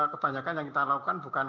kebanyakan yang kita lakukan bukan